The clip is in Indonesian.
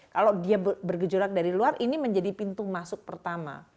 kalau dia bergejolak dari luar ini menjadi pintu masuk pertama